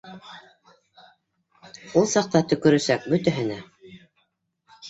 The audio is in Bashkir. Ул саҡта төкөрәсәк бөтәһенә